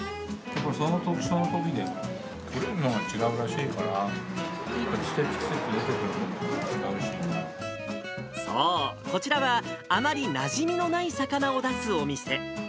そのときそのときで、取れるのが違うらしいから、そう、こちらはあまりなじみのない魚を出すお店。